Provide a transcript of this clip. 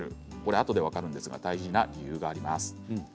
あとで分かりますがこれには大事な理由があります。